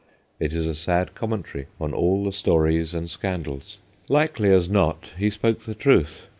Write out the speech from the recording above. It is a sad commentary on all the stories and scandals. Likely as not, he spoke the truth.